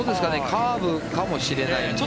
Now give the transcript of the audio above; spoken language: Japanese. カーブかもしれないですね。